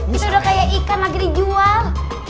itu udah kayak ikan lagi dijual